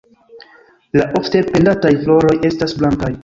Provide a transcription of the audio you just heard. La ofte pendantaj floroj estas blankaj.